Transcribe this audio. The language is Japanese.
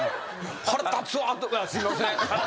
腹立つわすいません。